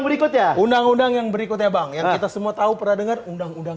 berikutnya undang undang yang berikutnya bang yang kita semua tahu pernah dengar undang undang